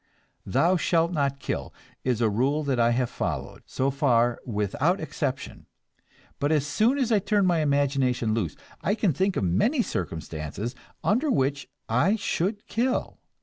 "Thou shalt not kill" is a rule that I have followed, so far without exception; but as soon as I turn my imagination loose, I can think of many circumstances under which I should kill.